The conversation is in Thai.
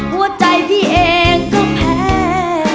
หัวใจพี่เองก็แพ้